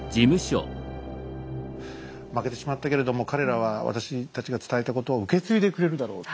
負けてしまったけれども彼らは私たちが伝えたことを受け継いでくれるだろうと。